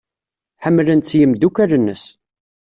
Ḥemmlen-tt yimeddukal-nnes.